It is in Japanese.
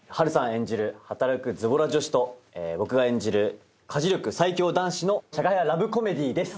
演じる働くズボラ女子と僕が演じる家事力最強男子の社会派ラブコメディーです。